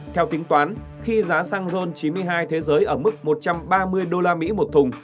theo tính toán khi giá xăng ron chín mươi hai thế giới ở mức một trăm ba mươi usd một thùng